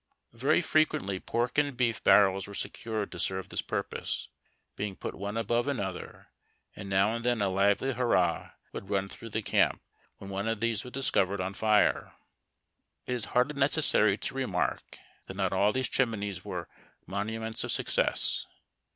Very frequently pork and beef barrels were secured to serve this purpose, being put one above another ; and now and then a lively hurrah would run through the camp wiien one of these was dis covered on fire. It is hardly necessary to remark that not all these chimneys were mon uments of success.